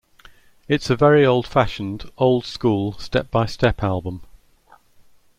It's a very old-fashioned, old-school, step-by-step album.